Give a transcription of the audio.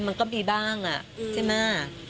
มันก็มีบ้างใช่ไหม